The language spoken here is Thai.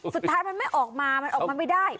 สุดท้ายมันไม่ออกมามันออกมาไม่ได้